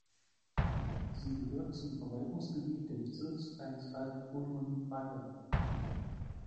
Sie gehört zum Verwaltungsgebiet der bezirksfreien Stadt Hulun Buir.